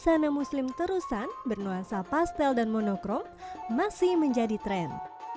pilihan bagian muslim terusan bernuansa pastel dan monokrom masih menjadi tren